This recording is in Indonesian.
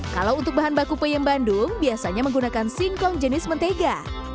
kalau untuk bahan baku peyem bandung biasanya menggunakan singkong jenis mentega